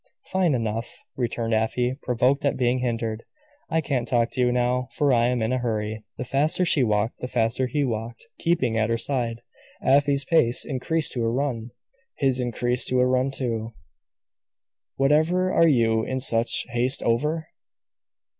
"Fine enough," returned Afy, provoked at being hindered. "I can't talk to you now, for I am in a hurry." The faster she walked, the faster he walked, keeping at her side. Afy's pace increased to a run. His increased to a run too. "Whatever are you in such haste over?"